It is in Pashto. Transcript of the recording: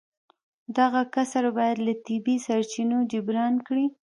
دغه کسر باید له طبیعي سرچینو جبران کړي